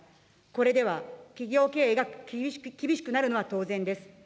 これでは企業経営が厳しくなるのは当然です。